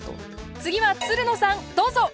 次はつるのさんどうぞ！